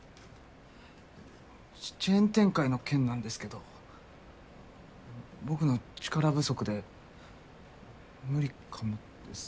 チェーン展開の件なんですけど僕の力不足で無理かもです。